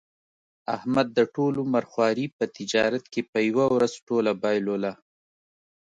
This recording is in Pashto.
احمد د ټول عمر خواري په تجارت کې په یوه ورځ ټوله بایلوله.